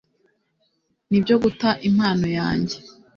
nibyo guta impano yanjye